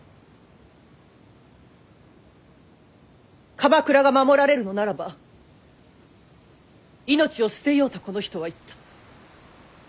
鎌倉が守られるのならば命を捨てようとこの人は言った。